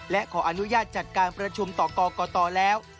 และขออนุญาตจัดการประชุมต่อกรกตแล้ว